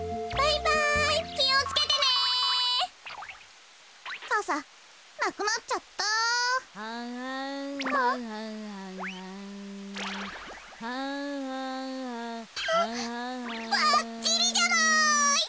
ばっちりじゃない！